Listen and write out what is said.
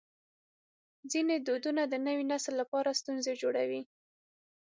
ځینې دودونه د نوي نسل لپاره ستونزې جوړوي.